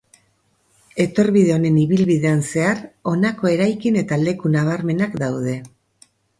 Etorbide honen ibilbidean zehar honako eraikin eta leku nabarmenak daude.